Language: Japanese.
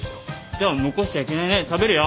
じゃあ残しちゃいけないね食べるよ。